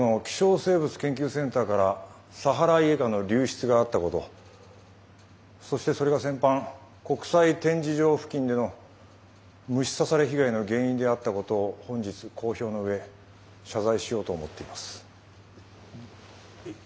生物研究センターからサハライエカの流出があったことそしてそれが先般国際展示場付近での虫刺され被害の原因であったことを本日公表の上謝罪しようと思っています。